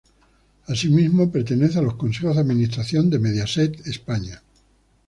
Asimismo, pertenece a los Consejos de Administración de Mediaset España.